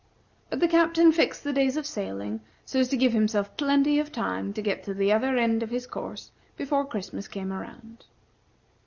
But the Captain fixed the days of sailing so as to give himself plenty of time to get to the other end of his course before Christmas came around.